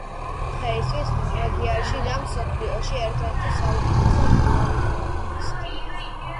დღეისათვის ნორვეგიაშიც და მსოფლიოშიც ერთ-ერთი საუკეთესო ბიატლონისტი.